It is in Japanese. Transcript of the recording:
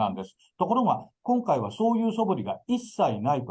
ところが、今回はそういうそぶりが一切ないと。